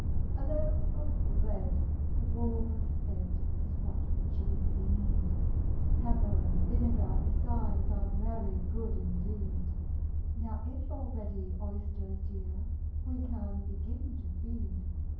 "A loaf of bread," the Walrus said, "Is what we chiefly need: Pepper and vinegar besides Are very good indeed Now, if you're ready, Oysters dear, We can begin to feed."